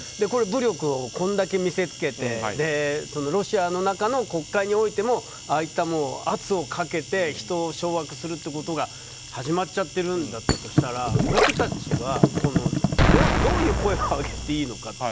これ、武力をこれだけ見せつけてロシアの中の国会においてもああいった圧をかけて人を掌握するということが始まっちゃってるとしたら僕たちはどういう声を上げていいのか。